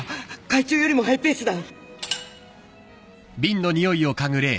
会長よりもハイペースだ！